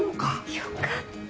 よかった。